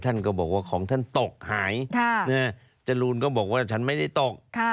ท่านก็บอกว่าของท่านตกหายจรูนก็บอกว่าฉันไม่ได้ตก